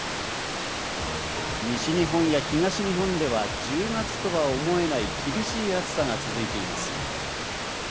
西日本や東日本では１０月とは思えない厳しい暑さが続いています。